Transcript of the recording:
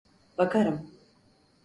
Bakarım.